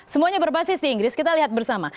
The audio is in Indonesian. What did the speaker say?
semuanya berbasis di inggris kita lihat bersama